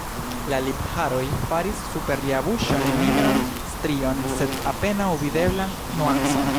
La lipharoj faris super lia buŝo ne nigran strion, sed apenaŭ videblan nuancon.